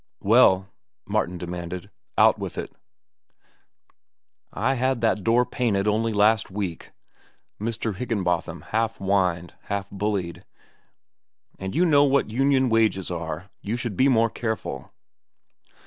"Well," Martin demanded. "Out with it." "I had that door painted only last week," Mr. Higginbotham half whined, half bullied; "and you know what union wages are. You should be more careful."